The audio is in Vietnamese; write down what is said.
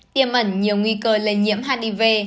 tiêm ẩn nhiều nguy cơ lây nhiễm hiv